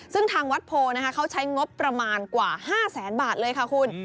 ซึ่งทางวัดโพนะคะเขาใช้งบประมาณกว่า๕แสนบาทเลยค่ะคุณ